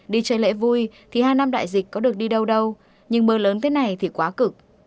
đi chơi lễ vui thì hai năm đại dịch có được đi đâu đâu nhưng mưa lớn thế này thì quá cực